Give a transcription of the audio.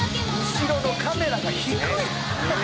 「後ろのカメラが低い！」